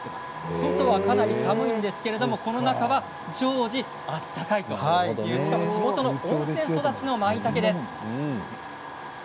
外はかなり寒いんですがこの中は常時、暖かいという地元の温泉育ちのまいたけです。